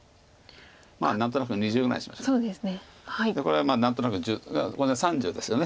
これは何となく１０ここで３０ですよね。